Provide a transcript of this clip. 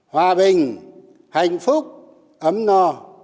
hòa bình hạnh phúc ấm no